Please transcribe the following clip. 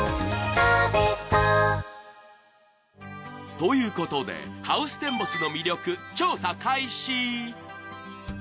ということで、ハウステンボスの魅力、調査開始。